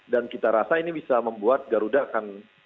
dan kita rasa ini bisa membuat garuda akan